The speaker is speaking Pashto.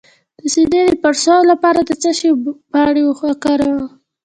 د سینې د پړسوب لپاره د څه شي پاڼې وکاروم؟